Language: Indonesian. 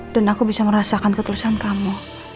dan aku bisa merasakan ketulusan kamu